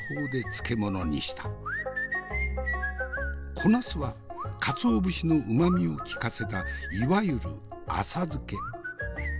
小ナスはかつお節のうまみを利かせたいわゆる浅漬け。